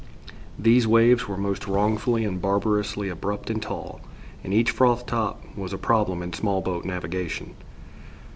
These waves were most wrongfully and barbarously abrupt and tall, and each froth top was a problem in small boat navigation.